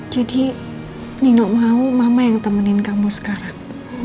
jadi nino mau mama yang temenin kamu sekarang